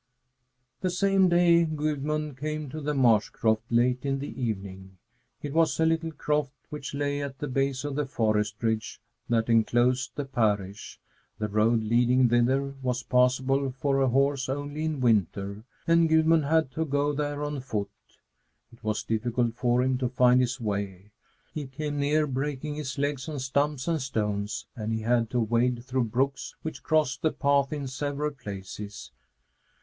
The same day Gudmund came to the marsh croft late in the evening. It was a little croft, which lay at the base of the forest ridge that enclosed the parish. The road leading thither was passable for a horse only in winter, and Gudmund had to go there on foot. It was difficult for him to find his way. He came near breaking his legs on stumps and stones, and he had to wade through brooks which crossed the path in several places.